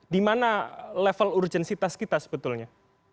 di mana level urgensitas kita sebetulnya